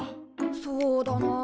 そうだなあ。